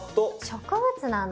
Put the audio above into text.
植物なんだ。